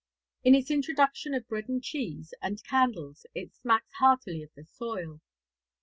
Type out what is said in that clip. In its introduction of bread and cheese and candles it smacks heartily of the soil.